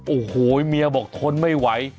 โอ้โหเมียบอกทนไม่ไหว